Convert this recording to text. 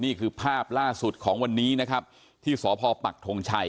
นี่คือภาพล่าสุดของวันนี้นะครับที่สพปักทงชัย